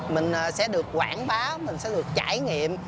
mình sẽ được quảng bá mình sẽ được trải nghiệm